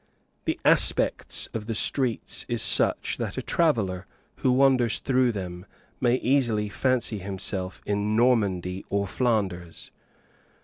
The aspect of the streets is such that a traveller who wanders through them may easily fancy himself in Normandy or Flanders.